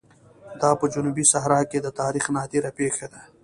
دا په جنوبي صحرا کې د تاریخ نادره پېښه ده.